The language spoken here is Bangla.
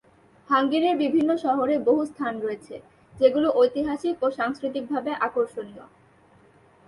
হাঙ্গেরির বিভিন্ন শহরে বহু স্থান রয়েছে, যেগুলি ঐতিহাসিক ও সাংস্কৃতিকভাবে আকর্ষণীয়।